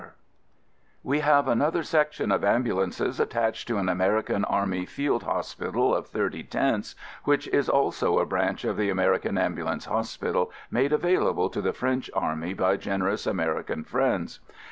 xiv INTRODUCTION We have another Section of ambulances attached to an American army field hospi tal of thirty tents, which is also a branch of the American Ambulance Hospital made available to the French Army by gener ous American friends.